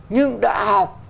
nhưng đã học